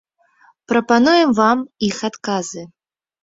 Прапануем вам іх адказы.